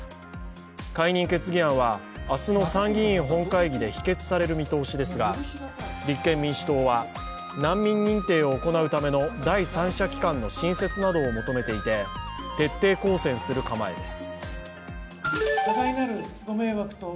解任決議案は明日の参議院本会議で否決される見通しですが立憲民主党は難民認定を行うための第三者機関の新設などを求めていて徹底抗戦する構えです。